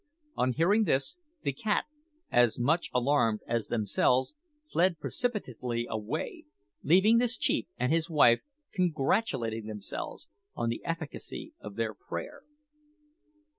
On hearing this, the cat, as much alarmed as themselves, fled precipitately away, leaving the chief and his wife congratulating themselves on the efficacy of their prayer."